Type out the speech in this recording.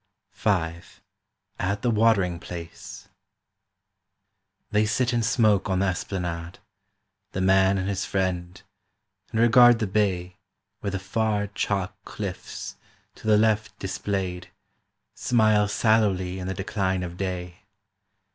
V AT A WATERING PLACE THEY sit and smoke on the esplanade, The man and his friend, and regard the bay Where the far chalk cliffs, to the left displayed, Smile sallowly in the decline of day.